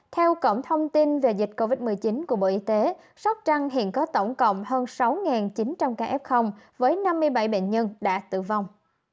theo cổng thông tin về dịch covid một mươi chín của bộ y tế sóc trăng hiện có tổng cộng hơn sáu chín trăm linh ca f với năm mươi bảy bệnh nhân đã tử vong